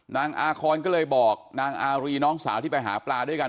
นางอาคอนก็เลยบอกนางอารีน้องสาวที่ไปหาปลาด้วยกัน